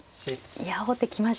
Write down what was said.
いや王手来ました。